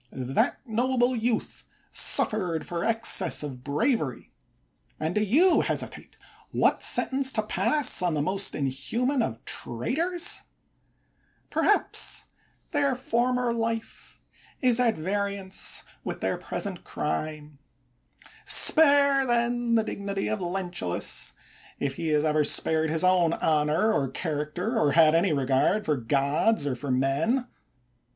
That noble youth suffered for excess of bravery ; and do you hesitate what sentence to pass on the most inhuman of traitors ? Perhaps their former life is at variance with their present crime. Spare, 234 CATO THE YOUNGER then, the dignity of Lentulus, if he has ever spared his own honor or character, or had any regard for gods or for men.